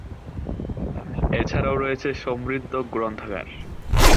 এছাড়াও রয়েছে সমৃদ্ধ গ্রন্থাগার।